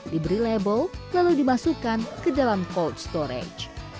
diberi label lalu dimasukkan ke dalam kondisi kondisi